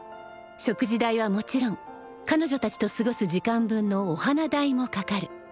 食事代はもちろん彼女たちと過ごす時間分のお花代もかかる。